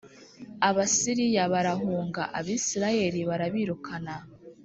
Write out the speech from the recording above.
Abasiriya barahunga, Abisirayeli barabirukana